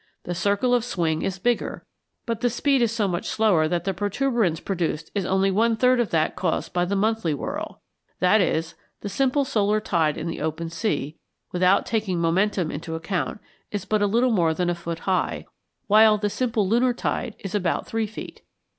The circle of swing is bigger, but the speed is so much slower that the protuberance produced is only one third of that caused by the monthly whirl; i.e. the simple solar tide in the open sea, without taking momentum into account, is but a little more than a foot high, while the simple lunar tide is about three feet.